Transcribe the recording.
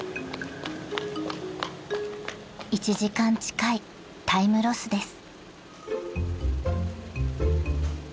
［１時間近いタイムロスです］